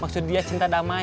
maksud dia cinta damai